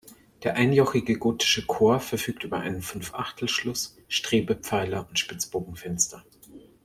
Der einjochige gotische Chor verfügt über einen Fünfachtel-Schluss, Strebepfeiler und Spitzbogenfenster.